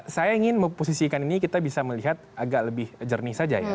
saya ingin memposisikan ini kita bisa melihat agak lebih jernih saja ya